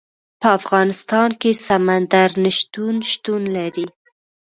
په افغانستان کې سمندر نه شتون شتون لري.